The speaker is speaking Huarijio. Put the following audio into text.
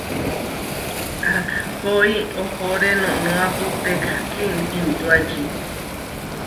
Akhói ohóre noʼnóapu tehkíintuači.